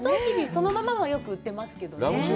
サトウキビ、そのままはよく売ってますけどね。